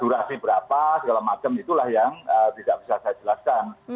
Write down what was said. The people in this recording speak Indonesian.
durasi berapa segala macam itulah yang tidak bisa saya jelaskan